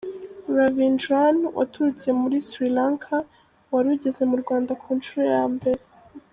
Ravindran, waturutse muri Sri Lanka wari ugeze mu Rwanda ku nshuro ya mbere.